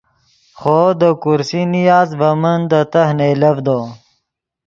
خوو دے کرسی نیاست ڤے من دے تہہ نئیلڤدو